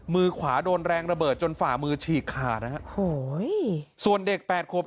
มือขวาโดนแรงระเบิดจนฝ่ามือฉีกขาดนะฮะโอ้โหส่วนเด็กแปดขวบ